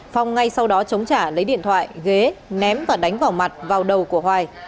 phong ngay sau đó chống trả lấy điện thoại ghế ném và đánh vào mặt vào đầu của hoài